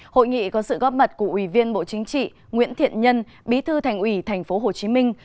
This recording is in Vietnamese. hội nghị có sự góp mặt của ủy viên bộ chính trị nguyễn thiện nhân bí thư thành ủy thành phố hồ chí minh